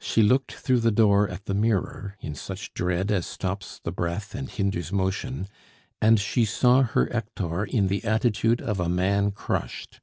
She looked through the door at the mirror, in such dread as stops the breath and hinders motion, and she saw her Hector in the attitude of a man crushed.